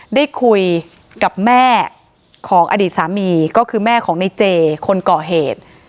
ได้คุยกับแม่ของอดีตสามีก็คือแม่ของในเจคนก่อเหตุ